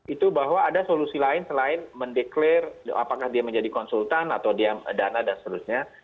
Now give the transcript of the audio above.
itu bahwa ada solusi lain selain mendeklarasi apakah dia menjadi konsultan atau dia dana dan seterusnya